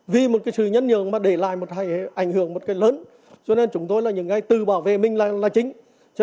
vì một sự nhấn nhường mà để lại một hệ ảnh hưởng lớn cho nên chúng tôi là những người tự bảo vệ mình là chính